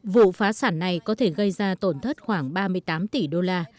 vụ phá sản này có thể gây ra tổn thất khoảng ba mươi tám tỷ đô la